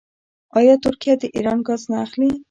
آیا ترکیه د ایران ګاز نه اخلي؟